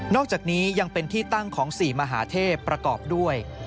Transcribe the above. อกจากนี้ยังเป็นที่ตั้งของ๔มหาเทพประกอบด้วย